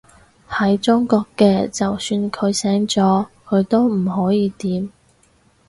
喺中國嘅，就算佢醒咗，佢都唔可以點